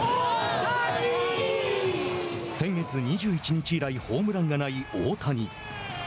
先月２１日以来ホームランがない大谷。